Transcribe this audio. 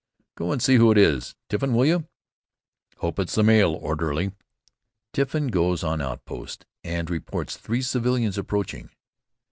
"Go and see who it is, Tiffin, will you? Hope it's the mail orderly." Tiffin goes on outpost and reports three civilians approaching.